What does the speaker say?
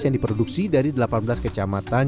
yang diproduksi dari delapan belas kecamatan